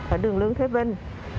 ở đường lương thế vinh